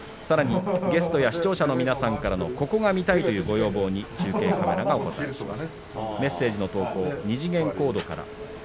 さらにゲストや視聴者の皆さんからの「ここが見たい！」というご要望に中継カメラがお応えします。